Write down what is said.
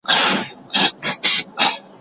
موږ باید ټولنیز نظم ته درناوی وکړو.